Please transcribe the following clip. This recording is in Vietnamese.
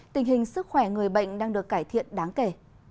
tình hình sức khỏe người bệnh đang được cải thiện đáng kể